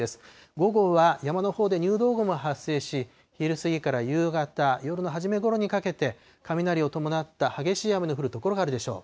午後は山のほうで入道雲が発生し、昼過ぎから夕方、夜の初めごろにかけて、雷を伴った激しい雨の降る所があるでしょう。